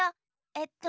えっと。